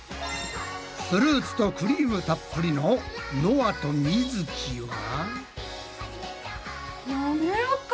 フルーツとクリームたっぷりののあとみづきは。